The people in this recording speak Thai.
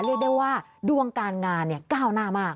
เรียกได้ว่าดวงการงานก้าวหน้ามาก